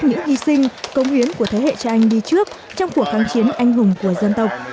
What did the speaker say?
những di sinh công huyến của thế hệ trang đi trước trong cuộc kháng chiến anh hùng của dân tộc